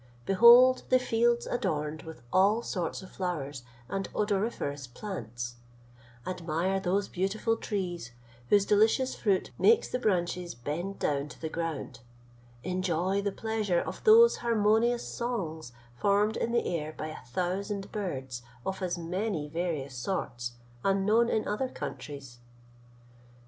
Behold the fields adorned with all sorts of flowers and odoriferous plants: admire those beautiful trees whose delicious fruit makes the branches bend down to the ground; enjoy the pleasure of those harmonious songs formed in the air by a thousand birds of as many various sorts, unknown in other countries."